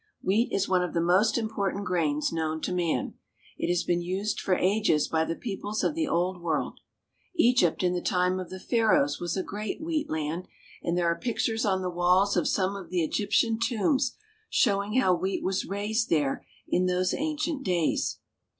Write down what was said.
Wheat is one of the most important grains known to man. It has been used for ages by the peoples of the Old World. Egypt in the time of the Pharaohs was a great wheat land, and there are pictures on the walls of some of the Egyp tian tombs showing how wheat was raised there in those ancient days.